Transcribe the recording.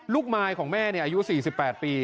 ลูกมายของแม่นี่อายุ๔๘ปี